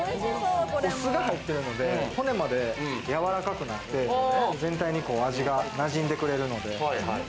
お酢が入ってるので骨までやわらかくなって、全体に味が馴染んでくれるので。